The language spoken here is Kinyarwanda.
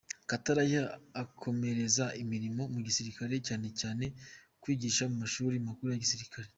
Gatarayiha akomereza imirimo mu gisirikare cyane cyane kwigisha mu mashuri Makuru ya gisirikare.